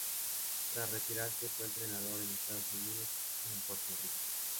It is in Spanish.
Tras retirarse fue entrenador en Estados Unidos y en Puerto Rico.